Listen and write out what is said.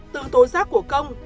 từ tối giác của công